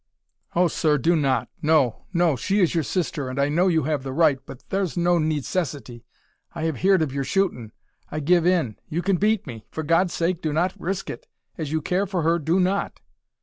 "Oh, sir, do not. No! no! She is your sister, and I know you have the right, but thar's no needcessity. I have heerd of your shootin'. I give in; you kin beat me. For God's sake, do not risk it; as you care for her, do not!"